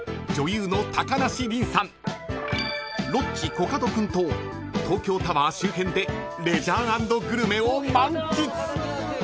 ［ロッチコカド君と東京タワー周辺でレジャー＆グルメを満喫］